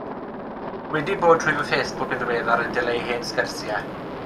Wedi bod trwy fy Facebook yn ddiweddar yn dileu hen sgyrsiau.